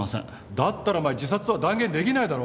だったらお前自殺とは断言できないだろ。